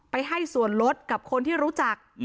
ให้ส่วนลดกับคนที่รู้จัก